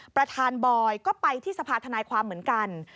ประธานบอยก็ไปที่สภาธนายความเหมือนกัน